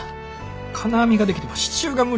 金網ができても支柱が無理や。